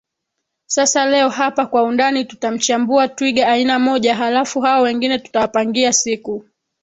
Sasa leo hapa kwa undani tutamchambua twiga aina moja halafu hao wengine tutawapangia siku